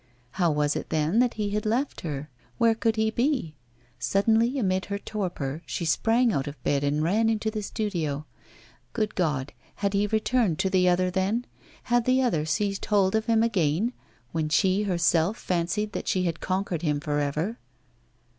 How was it then that he had left her? Where could he be? Suddenly, amid her torpor, she sprang out of bed and ran into the studio. Good God! had he returned to the other then? Had the other seized hold of him again, when she herself fancied that she had conquered him for ever?